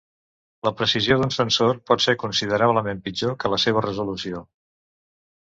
La precisió d'un sensor pot ser considerablement pitjor que la seva resolució.